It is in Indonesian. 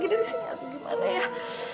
gawat gawat bentar lagi gue bakal berubah